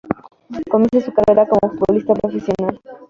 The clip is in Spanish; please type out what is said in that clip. Comienza su carrera como futbolista profesional.